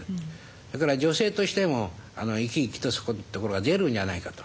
それから女性としても生き生きとそこんところは出るんじゃないかと。